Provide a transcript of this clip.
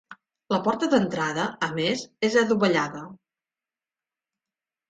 La porta d'entrada a més és adovellada.